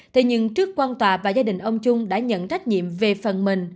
thế nhưng trước quan tòa và gia đình ông trung đã nhận trách nhiệm về phần mình